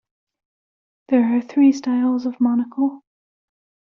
There are three styles of monocle.